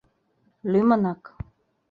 Лӱмынак.